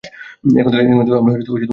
এখন থেকে আমরা সব ম্যানেজ করে নেবো।